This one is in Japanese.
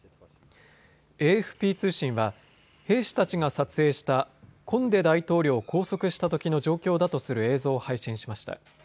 ＡＦＰ通信は兵士たちが撮影したコンデ大統領を拘束したときの状況だとする映像を配信しました。